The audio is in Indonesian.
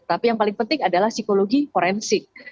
tapi yang paling penting adalah psikologi forensik